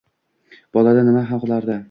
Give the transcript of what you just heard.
Bolada, nima ham qilardi